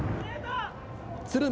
鶴見